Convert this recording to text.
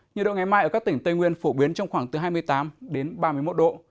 nhiệt độ ngày mai ở các tỉnh tây nguyên phổ biến trong khoảng từ hai mươi tám đến ba mươi một độ